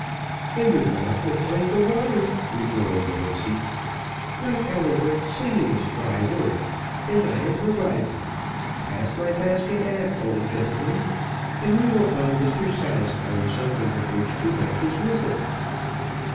"Then your mouth will find the water," rejoined Nancy; "but, however, singing is dry work, and I am provided. Pass my basket aft, old gentleman, and we will find Mr Salisbury something with which to whet his whistle."